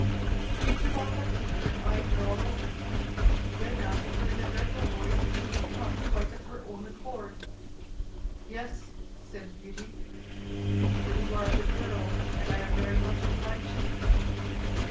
The creature walked up to her, and eyed her all over—then asked her in a dreadful voice if she had come quite of her own accord. "Yes," said Beauty. "Then you are a good girl, and I am very much obliged to you."